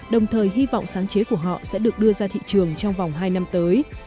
đồng thời hy vọng sáng chế của họ sẽ được đưa ra thị trường trong vòng hai năm tới